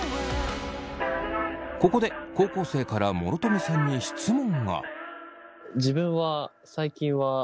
ここで高校生から諸富さんに質問が。